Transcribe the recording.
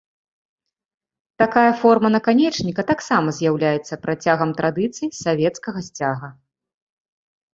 Такая форма наканечніка таксама з'яўляецца працягам традыцый савецкага сцяга.